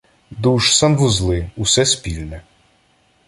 Душ, санвузли – усе спільне